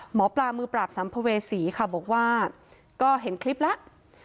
หมอปลามือปราบสัมภเวษีค่ะบอกว่าก็เห็นคลิปแล้ว